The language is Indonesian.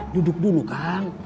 duduk dulu kang